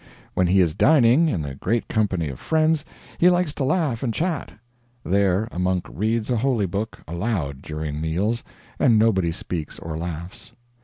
When he is dining, in a great company of friends, he likes to laugh and chat there a monk reads a holy book aloud during meals, and nobody speaks or laughs.